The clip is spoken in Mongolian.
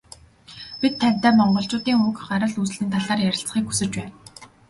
Бид тантай Монголчуудын уг гарал үүслийн талаар ярилцахыг хүсэж байна.